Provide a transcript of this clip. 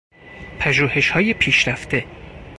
پژوهشهای پیشرفته